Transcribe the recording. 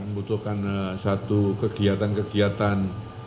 membutuhkan satu kegiatan kegiatan